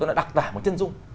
nó đặc tả một chân dung